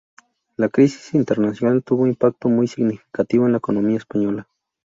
La crisis internacional tuvo un impacto muy significativo en la economía española.